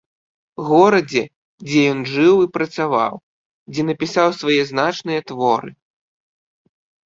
Горадзе, дзе ён жыў і працаваў, дзе напісаў свае значныя творы.